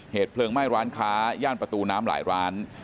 เหตุเพลิงไหม้ร้านค้าย่านประตูน้ำหลายร้าน